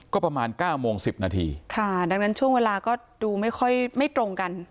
ก็ประมาณเก้าโมงสิบนาทีค่ะดังนั้นช่วงเวลาก็ดูไม่ค่อยไม่ตรงกัน